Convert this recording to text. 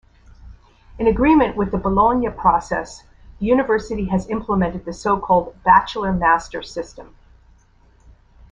In agreement with the Bologna process, the university has implemented the so-called bachelor-master system.